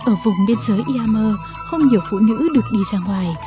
ở vùng biên giới iammer không nhiều phụ nữ được đi ra ngoài